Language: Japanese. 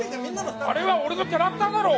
あれは俺のキャラクターだろ！